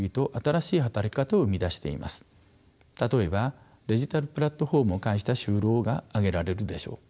例えばデジタルプラットフォームを介した就労が挙げられるでしょう。